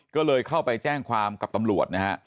ก็เลยเข้าไปแจ้งความกับตำรวจนะฮะ